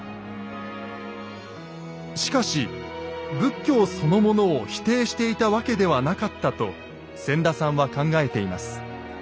しかし仏教そのものを否定していたわけではなかったと千田さんは考えています。